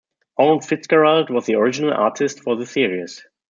Owen Fitzgerald was the original artist for the series.